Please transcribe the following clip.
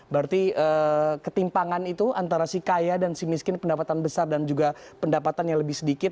berarti ketimpangan itu antara si kaya dan si miskin pendapatan besar dan juga pendapatan yang lebih sedikit